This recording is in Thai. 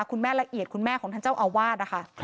ละเอียดคุณแม่ของท่านเจ้าอาวาสนะคะ